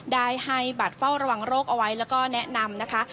ได้ให้บัตรเฝ้าระวังโรคเอาไว้แล้วก็แนะนำนะคะ